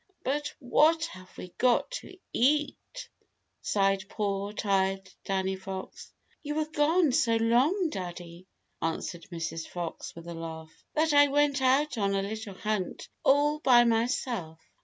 "But what have we got to eat?" sighed poor tired Danny Fox. "You were gone so long, Daddy," answered Mrs. Fox, with a laugh, "that I went out on a little hunt all by myself.